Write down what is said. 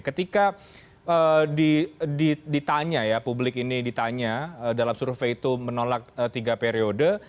ketika ditanya ya publik ini ditanya dalam survei itu menolak tiga periode